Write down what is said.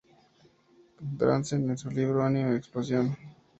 Drazen, en su libro "Anime Explosion!